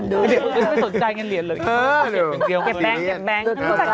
เดี๋ยวไม่สนใจเงินเหรียญเลยเขาเก็บอย่างเดียว